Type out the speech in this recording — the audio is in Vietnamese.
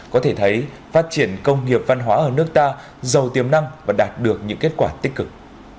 có thể thấy phát triển công nghiệp văn hóa ở nước ta giàu tiềm năng và đạt được những kết quả tích cực